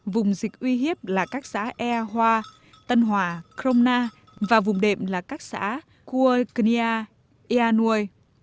vùng dịch uy hiếp là các xã ea hoa tân hòa kromna và vùng đệm là các xã kua knia ea nui